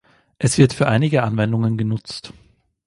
Es wird für einige Anwendungen genutzt.